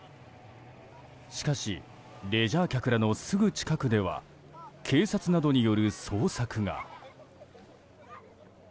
しかしレジャー客らのすぐ近くでは警察などによる捜索が。